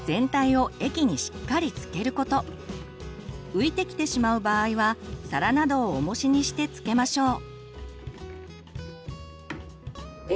浮いてきてしまう場合は皿などをおもしにしてつけましょう。